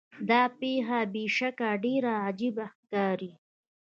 دا پیښه بې شکه ډیره عجیبه ښکاري.